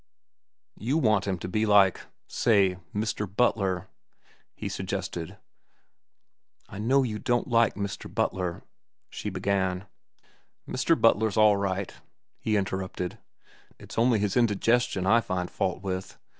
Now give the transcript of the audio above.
"You want him to be like—say Mr. Butler?" he suggested. "I know you don't like Mr. Butler," she began. "Mr. Butler's all right," he interrupted. "It's only his indigestion I find fault with.